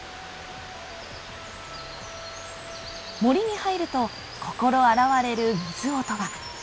森に入ると心洗われる水音が。